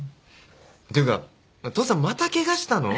ていうか父さんまたケガしたの？